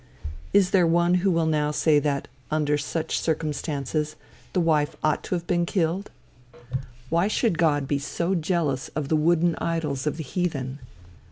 Is there one who will now say that, under such circumstances, the wife ought to have been killed? Why should God be so jealous of the wooden idols of the heathen?